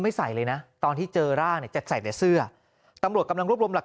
ใส่เลยนะตอนที่เจอร่างเนี่ยจะใส่แต่เสื้อตำรวจกำลังรวบรวมหลัก